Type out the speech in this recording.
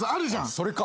それか。